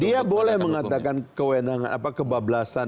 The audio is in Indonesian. dia boleh mengatakan kebebasan yang kebablasan